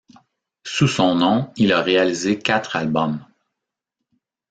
Sous son nom il a réalisé quatre albums.